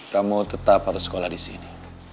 kamu tetap harus sekolah di sini